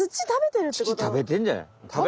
土たべてんじゃない？